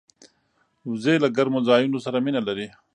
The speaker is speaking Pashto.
وزې له ګرمو ځایونو سره مینه لري